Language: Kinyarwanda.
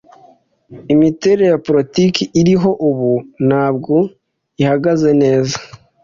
Imiterere ya politiki iriho ubu ntabwo ihagaze neza.